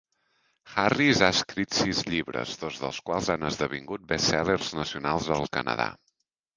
Harris ha escrit sis llibres, dos dels quals han esdevingut best-sellers nacionals al Canadà.